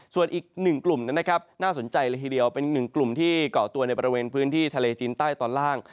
ส่วนอีกหนึ่งกลุ่มนั้นนะครับน่าสนใจเลยทีเดียวเป็นหนึ่งกลุ่มที่เกาะตัวในบริเวณพื้นที่ทะเลจีนใต้ตอนล่าง